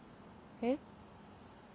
えっ？